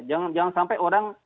jangan sampai orang